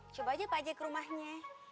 coba aja pak aja ke rumahnya